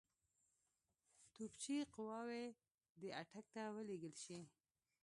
توپچي قواوې دي اټک ته ولېږل شي.